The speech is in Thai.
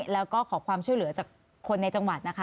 แล้วก็ขอความช่วยเหลือจากคนในจังหวัดนะคะ